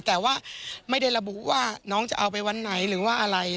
แต่ว่าไม่ได้ระบุว่าน้องจะเอาไปวันไหนหรือว่าอะไร